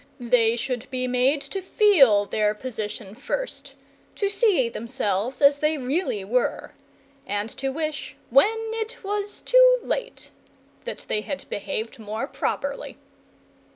They should be made to feel their position first, to see themselves as they really were, and to wish when it was too late that they had behaved more properly.